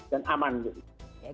dan aman juga